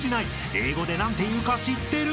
英語で何ていうか知ってる？］